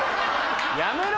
やめろ！